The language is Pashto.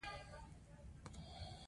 ښځه د قربانۍ نمونه ده.